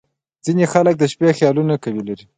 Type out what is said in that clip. • ځینې خلک د شپې خیالونه قوي لري.